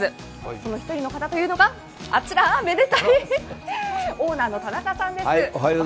その１人の方というのがあちら、めでたい、オーナーの田中さんです。